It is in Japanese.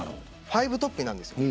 ５トップになるんです。